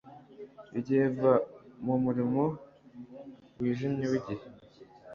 ibyo biva mu muriro wijimye wigihe